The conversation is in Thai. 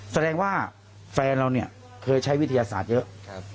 แสดงว่าแฟนเราเนี่ยเคยใช้วิทยาศาสตร์เยอะ